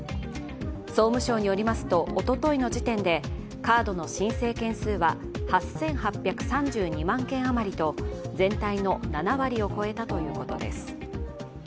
総務省によりますと、おとといの時点でカードの申請件数は８８３２万件余りと全体の７割を超えたということです